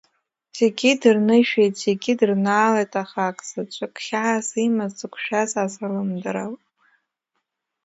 Зегьы дырнышәеит, зегьы дырнаалеит, аха акзаҵәык хьаас имаз, дзықәшәаз азалымдароуп.